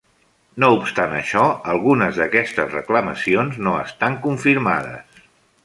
No obstant això, algunes d'aquestes reclamacions no estan confirmades.